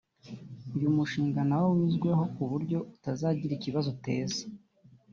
uyu mushinga nawo wizweho ku buryo utazagira ikibazo uteza